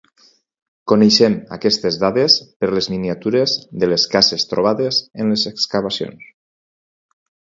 Coneixem aquestes dades per les miniatures de les cases trobades en les excavacions.